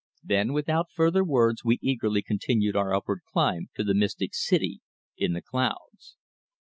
Then without further words we eagerly continued our upward climb to the mystic City in the Clouds.